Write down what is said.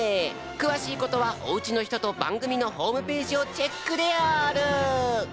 くわしいことはおうちのひととばんぐみのホームページをチェックである！